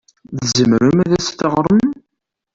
Tzemrem ad as-teɣrem?